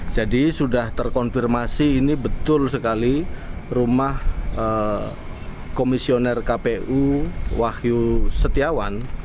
jadi sudah terkonfirmasi ini betul sekali rumah komisioner kpu wahyu setiawan